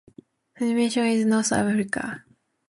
Funimation has the rights to stream the show in North America.